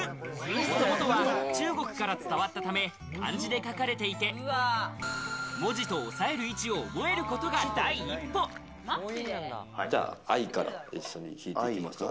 もともとは中国から伝わったため、漢字で書かれていて、文字と押さえる位置を覚えることが第一歩。じゃあ合から一緒に弾いていきましょう。